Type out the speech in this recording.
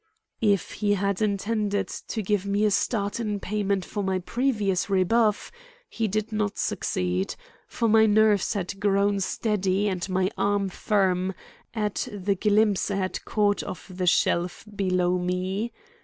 If he had intended to give me a start in payment for my previous rebuff he did not succeed; for my nerves had grown steady and my arm firm at the glimpse I had caught of the shelf below me.